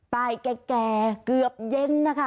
แก่เกือบเย็นนะคะ